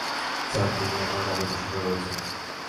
Sir, তিনি আপনার কাজের প্রশংসা করেছেন।